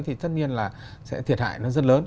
thì tất nhiên là sẽ thiệt hại nó rất lớn